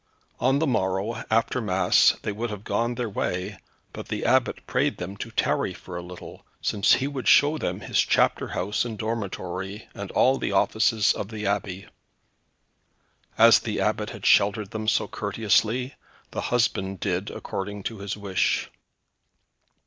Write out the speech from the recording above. On the morrow, after Mass, they would have gone their way, but the Abbot prayed them to tarry for a little, since he would show them his chapter house and dormitory, and all the offices of the Abbey. As the Abbot had sheltered them so courteously, the husband did according to his wish.